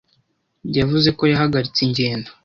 yavuze ko yahagaritse ingendo